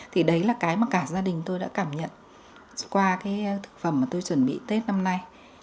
thì đấy là cái mà cả gia đình tôi đã cảm nhận qua cái thực phẩm mà tôi chuẩn bị tết năm nay